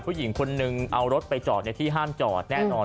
ผู้หญิงคนนึงเอารถไปจอดในที่ห้ามจอดแน่นอน